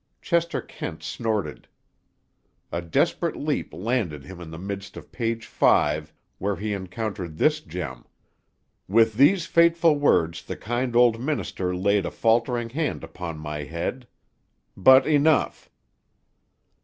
Chester Kent snorted. A desperate leap landed him in the midst of page five, where he encountered this gem, "With these fateful words the kind old minister laid a faltering hand upon my head. But enough!"